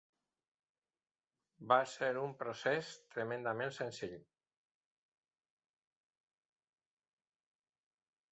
Va ser un procés tremendament senzill.